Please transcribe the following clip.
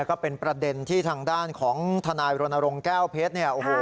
ก็เป็นประเด็นที่ทางด้านของธนายรณรงค์แก้วเพชร